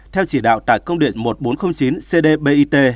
theo chỉ đạo tại công điện một nghìn bốn trăm linh chín cdbit